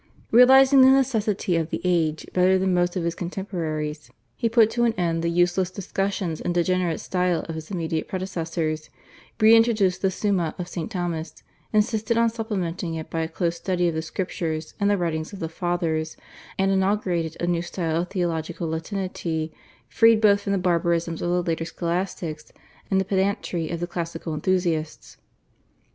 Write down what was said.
Realising the necessities of the age better than most of his contemporaries he put to an end the useless discussions and degenerate style of his immediate predecessors, re introduced the /Summa/ of St. Thomas, insisted on supplementing it by a close study of the Scriptures and the writings of the Fathers, and inaugurated a new style of theological Latinity freed both from the barbarisms of the later Scholastics and the pedantry of the classical enthusiasts.